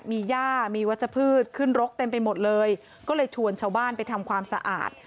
มีย่ามีวัชพืชขึ้นรกเต็มไปหมดเลยก็เลยชวนชาวบ้านไปทำความสะอาด